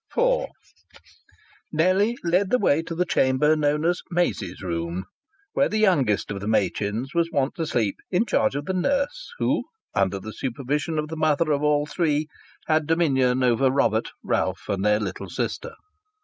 IV Nellie led the way to the chamber known as "Maisie's room," where the youngest of the Machins was wont to sleep in charge of the nurse who, under the supervision of the mother of all three, had dominion over Robert, Ralph and their little sister.